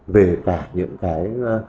về cả những cái